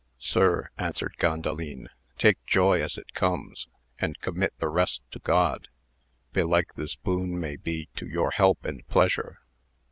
Sir, answered Gandalin, take joy as it comes, and commit the rest to God, belike this boon may be to your help and pleasure.